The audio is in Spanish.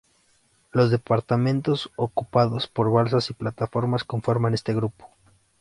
Los departamentos ocupados por balsas y plataformas conforman este grupo.